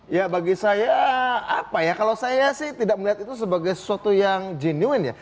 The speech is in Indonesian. ya bagi saya apa ya kalau saya sih tidak melihat itu sebagai sesuatu yang genuine ya